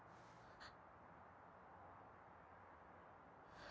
あっ。